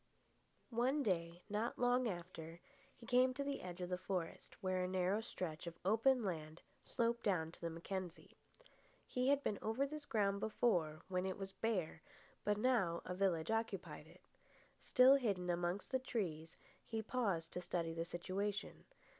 One day, not long after, he came to the edge of the forest, where a narrow stretch of open land sloped down to the Mackenzie. He had been over this ground before, when it was bare, but now a village occupied it. Still hidden amongst the trees, he paused to study the situation.